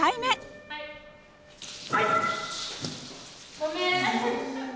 ごめん。